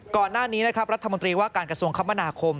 ก่อนหน้านี้นะครับรัฐมนตรีว่าการกระทรวงคมนาคม